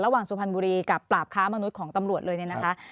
สุพรรณบุรีกับปราบค้ามนุษย์ของตำรวจเลยเนี่ยนะคะ